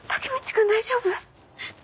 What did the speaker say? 君大丈夫？